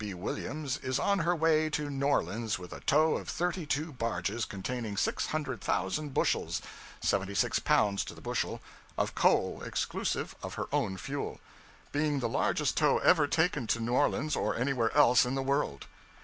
B. Williams" is on her way to New Orleans with a tow of thirty two barges, containing six hundred thousand bushels (seventy six pounds to the bushel) of coal exclusive of her own fuel, being the largest tow ever taken to New Orleans or anywhere else in the world.